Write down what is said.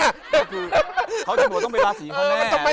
ก็คือเขาจะบอกว่าต้องไปราศีเขาแน่